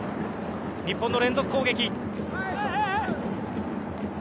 日本の連続攻撃。